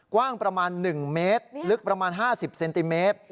กว้างประมาณ๑เมตรลึกประมาณ๕๐เซนติเมตร